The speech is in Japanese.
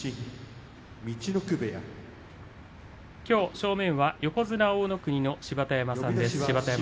正面は、横綱大乃国の芝田山さんです。